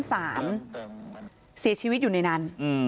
เสียชีวิตอยู่ในนั้น